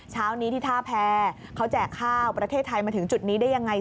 เช้านี้ที่ท่าแพรเขาแจกข้าวประเทศไทยมาถึงจุดนี้ได้ยังไง